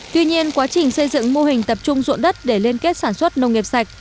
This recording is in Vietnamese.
tuy nhiên quá trình xây dựng mô hình tập trung dụng đất để liên kết sản xuất nông nghiệp sạch